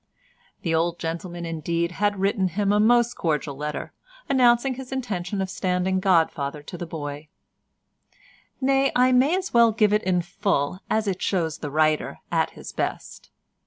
The old gentleman, indeed, had written him a most cordial letter, announcing his intention of standing godfather to the boy—nay, I may as well give it in full, as it shows the writer at his best.